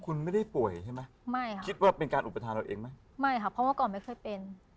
คุณไม่ได้ป่วยใช่ไหมไม่ค่ะคิดว่าเป็นการอุปทานเราเองไหมไม่ค่ะเพราะเมื่อก่อนไม่เคยเป็น